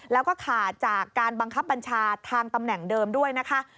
แล้วก็ขาดจากการบังคับบัญชาทางตำแหน่งเดิมด้วยนะคะ